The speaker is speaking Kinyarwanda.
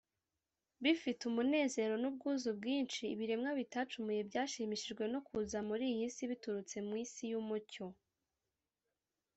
. Bifite umunezero n’ubwuzu bwinshi, ibiremwa bitacumuye byashimishijwe no kuza muri iyi si biturutse mu isi y’umucyo